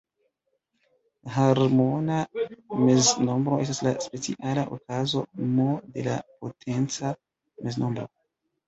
Harmona meznombro estas la speciala okazo "M" de la potenca meznombro.